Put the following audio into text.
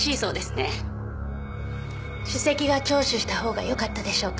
首席が聴取した方がよかったでしょうか？